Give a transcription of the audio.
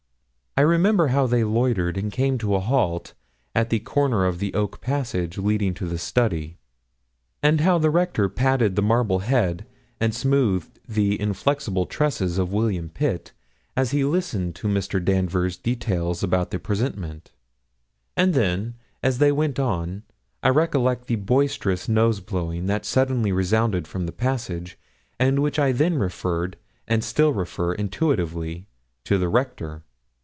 I remember how they loitered and came to a halt at the corner of the oak passage leading to the study, and how the Rector patted the marble head and smoothed the inflexible tresses of William Pitt, as he listened to Mr. Danvers' details about the presentment; and then, as they went on, I recollect the boisterous nose blowing that suddenly resounded from the passage, and which I then referred, and still refer, intuitively to the Rector.